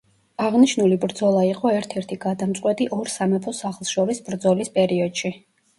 აღნიშნული ბრძოლა იყო ერთ-ერთი გადამწყვეტი ორ სამეფო სახლს შორის ბრძოლის პერიოდში.